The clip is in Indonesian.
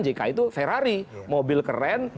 jk itu ferrari mobil keren